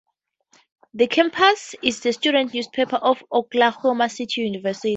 "The Campus" is the student newspaper at Oklahoma City University.